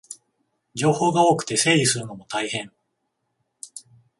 情報が多くて整理するのも大変